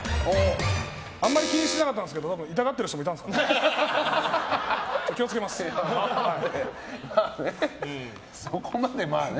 あんまり気にしなかったですけど痛がってる人もいたんですかね。